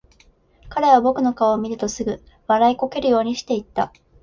彼は僕の顔を見るとすぐ、笑いこけるようにして言った。